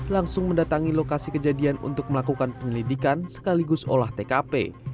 langsung mendatangi lokasi kejadian untuk melakukan penyelidikan sekaligus olah tkp